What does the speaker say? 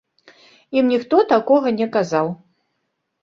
Ім ніхто такога не казаў.